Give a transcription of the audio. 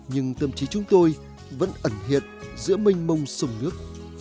nhưng tâm trí chúng tôi vẫn ẩn hiện giữa mênh mông sông nước